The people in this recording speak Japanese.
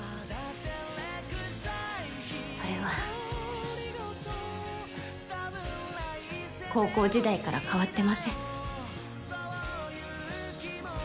それは高校時代から変わってません